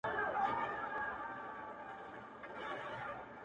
یوه خولگۍ خو مسته ـ راته جناب راکه ـ